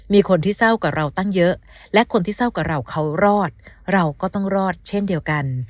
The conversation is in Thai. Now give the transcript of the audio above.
มีคนที่เศร้ากว่าเราตั้งเยอะและคนที่เศร้ากว่าเราเขารอดเราก็ต้องรอดเช่นเดียวกัน